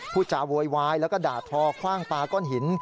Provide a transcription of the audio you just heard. พูดจาโวยวายแล้วก็ด่าทอคว่างปลาก้อนหิน